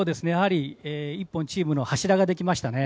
一本チームの柱ができましたね。